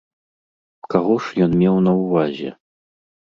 Каго ж ён меў на ўвазе?